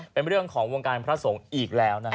เป็นเรื่องของวงการพระสงฆ์อีกแล้วนะฮะ